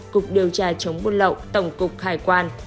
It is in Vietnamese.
cục điều tra chống buôn lậu tổng cục hải quan